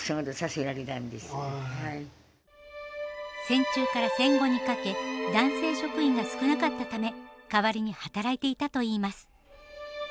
戦中から戦後にかけ男性職員が少なかったため代わりに働いていたといいます。